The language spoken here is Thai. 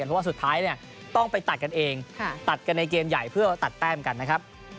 เพราะว่าสุดท้ายเนี่ยต้องไปตัดกันเองตัดกันในเกมใหญ่เพื่อตัดแต้มกันนะครับ